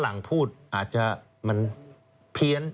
ฝรั่งพูดอาจจะมันเพียง